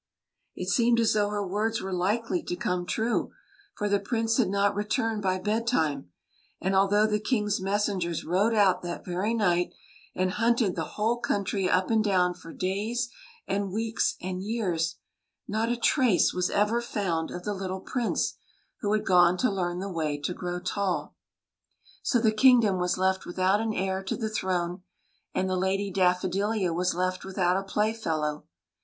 It seemed as though her words were likely to come true, for the Prince had not returned by bedtime ; and, although the King's messen gers rode out that very night and hunted the whole country up and down for days and weeks and years, not a trace was ever found of the little Prince who had gone to learn the way to grow tall. So the kingdom was left without an heir to the throne, and the Lady Daffodilia was left without a playfellow.